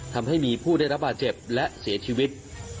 ทำให้มีผู้ได้รับบาดเจ็บและเสียชีวิต